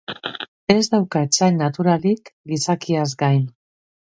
Ez dauka etsai naturalik, gizakiaz gain.